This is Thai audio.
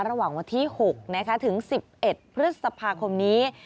ระหว่างวันที่๖ถึง๑๑พฤษภาคมนี้